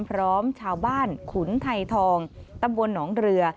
พร้อมชาวบ้านขุนไทยทองตำบลหนองเรือ